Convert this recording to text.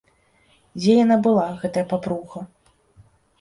Дзе яна была, гэтая папруга?